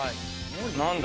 何だ？